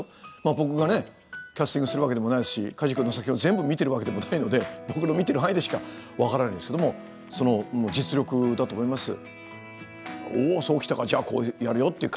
僕がね、キャスティングするわけでもないし、梶君の作品を全部、見てるわけでもないので僕の見てる範囲でしか分からないんですけどもその実力だと思いますよ。